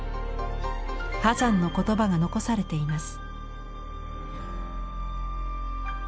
波山の言葉が残されています。